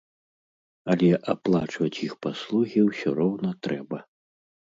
Але аплачваць іх паслугі ўсё роўна трэба.